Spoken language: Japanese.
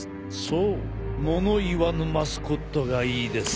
そう物言わぬマスコットがいいですねぇ。